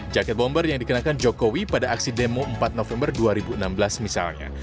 jaket bomber yang dikenakan jokowi pada aksi demo empat november dua ribu enam belas misalnya